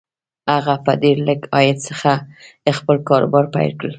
هغه په ډېر لږ عايد خپل کاروبار پيل کړ.